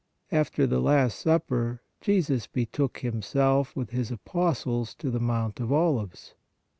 After the Last Supper Jesus betook Himself with His apostles to the Mount of Olives.